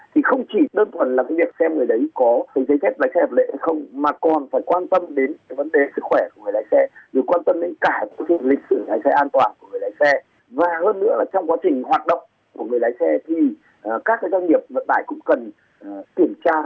và hơn nữa là trong quá trình hoạt động của người lái xe thì các doanh nghiệp vận tải cũng cần kiểm tra sức khỏe định kỳ và đặc biệt là phải kiểm tra đợt xuất